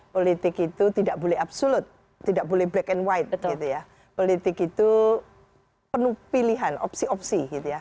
politik itu tidak boleh absolute tidak boleh black and white politik itu penuh pilihan opsi opsi